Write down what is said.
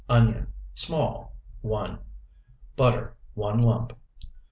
Onion, small, 1. Butter, 1 lump.